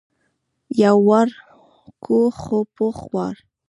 یو وار کوو خو پوخ وار.